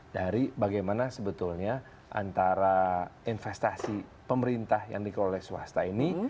dari bagaimana sebetulnya antara investasi pemerintah yang dikelola swasta ini